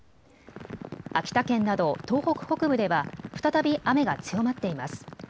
秋田県など東北北部では、再び雨が強まっています。